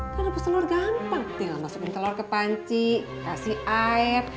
kan rebus telor gampang tinggal masukin telor ke panci kasih air